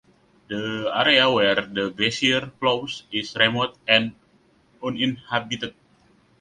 The area where the glacier flows is remote and uninhabited.